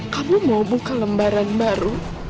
kamu mau buka lembaran baru